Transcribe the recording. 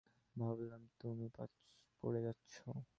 ভাবলাম তুমি পড়ে যাচ্ছো।